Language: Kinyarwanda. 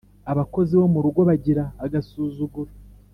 Abakozi bo mu rugo bagira agasuzuguro